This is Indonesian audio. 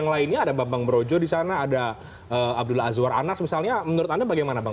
yang lainnya ada bambang brojo di sana ada abdullah azwar anas misalnya menurut anda bagaimana bang